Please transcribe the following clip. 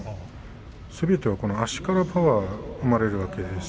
すべては足からパワーが生まれるわけです。